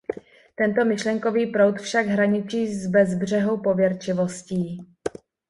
Tento myšlenkový proud však hraničí s bezbřehou pověrčivostí.